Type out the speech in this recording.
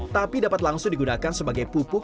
tapi dapat langsung digunakan sebagai pupuk